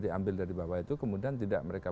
diambil dari bawah itu kemudian tidak mereka